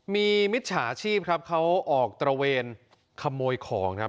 มีมิจฉาชีพครับเขาออกตระเวนขโมยของครับ